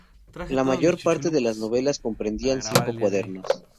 La mayor parte de las novelas comprendían cinco cuadernos.